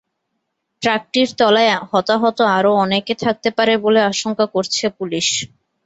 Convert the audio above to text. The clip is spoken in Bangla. ট্রাকটির তলায় হতাহত আরও অনেকে থাকতে পারে বলে আশঙ্কা করছে পুলিশ।